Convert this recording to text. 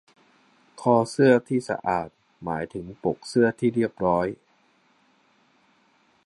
คอเสื้อที่สะอาดหมายถึงปกเสื้อที่เรียบร้อย